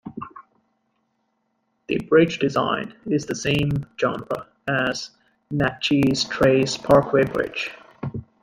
The bridge design is the same genre as the Natchez Trace Parkway Bridge.